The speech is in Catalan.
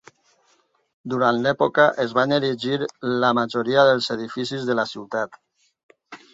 Durant l'època, es van erigir la majoria dels edificis de la ciutat.